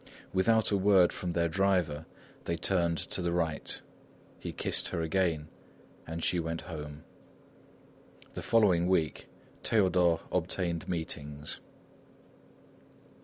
Without a word from their driver they turned to the right. He kissed her again and she went home. The following week, Théodore obtained meetings.